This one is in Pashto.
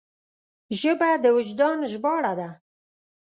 ژبه د وجدان ژباړه ده